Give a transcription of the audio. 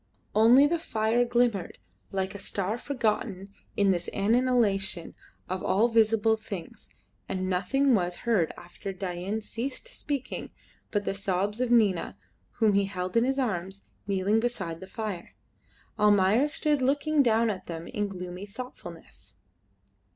Only the fire glimmered like a star forgotten in this annihilation of all visible things, and nothing was heard after Dain ceased speaking but the sobs of Nina, whom he held in his arms, kneeling beside the fire. Almayer stood looking down at them in gloomy thoughtfulness.